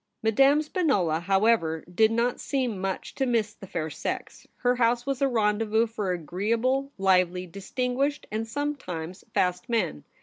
Madame Spinola, however, did not seem much to miss the fair sex. Her house was a rendezvous for agreeable, lively, distinguished, and sometimes fast men.